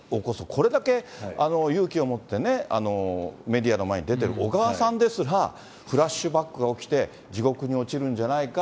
これだけ勇気をもってね、メディアの前に出てる小川さんですら、フラッシュバックが起きて、地獄に落ちるんじゃないか、